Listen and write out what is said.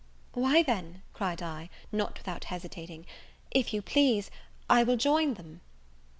"Why then," cried I, (not without hesitating) "if you please, I will join them."